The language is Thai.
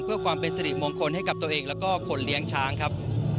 เพื่อความเป็นสิริมงคลให้กับตัวเองแล้วก็คนเลี้ยงช้างครับ